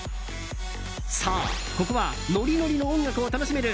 そう、ここはノリノリの音楽を楽しめる